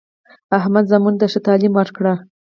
احمد زامنو ته ښه تعلیم وکړ.